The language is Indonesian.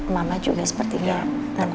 mama juga sepertinya nanti